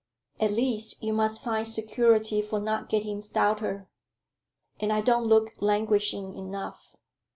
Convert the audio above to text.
At least you must find security for not getting stouter." "And I don't look languishing enough?"